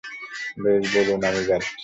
বেশ, বলুন, আমি যাচ্ছি।